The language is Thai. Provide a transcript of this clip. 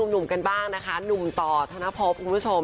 หนุ่มกันบ้างนะคะหนุ่มต่อธนภพคุณผู้ชม